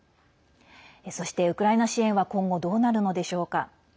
そして、ウクライナ支援は今後どうなるのでしょうか。